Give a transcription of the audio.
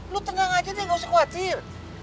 lu tenang aja deh gak usah khawatir